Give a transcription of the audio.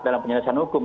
dalam penyelesaian hukum